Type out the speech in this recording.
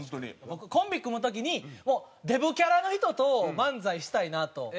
僕コンビ組む時にもうデブキャラの人と漫才したいなと思って。